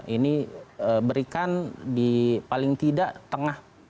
ini berikan di paling tidak tengah